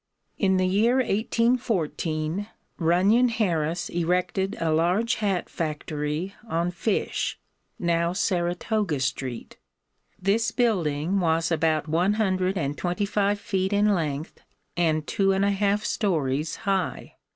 In the year 1814 Runyon Harris erected a large hat factory on Fish, now Saratoga street. This building was about one hundred and twenty five feet in length and two and a half stories high.